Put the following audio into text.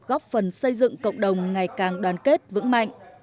góp phần xây dựng cộng đồng ngày càng đoàn kết vững mạnh